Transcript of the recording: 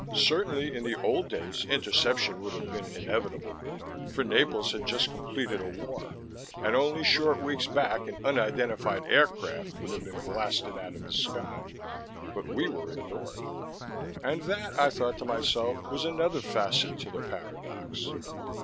Certainly, in the old days, interception would have been inevitable; for Naples had just completed a war, and only short weeks back an unidentified aircraft would have been blasted out of the sky. But we were ignored. And that, I thought to myself, was another facet to the paradox.